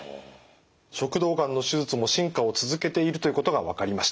食道がんの手術も進化を続けているということが分かりました。